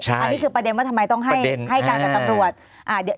อันนี้คือประเด็นว่าทำไมต้องให้การกับตำรวจ